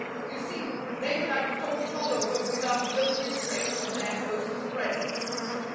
You see, they had to talk it all over without the restraint of their host's presence.